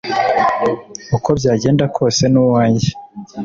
Uko byagenda kose nuwanjye